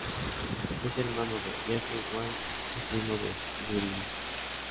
Es hermano de Jeffrey Huang y primo de Steven Lin.